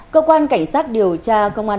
cơ quan cảnh sát điều tra công an